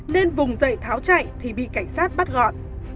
nên vùng dậy tháo chạy thì bị cảnh sát bắt gọn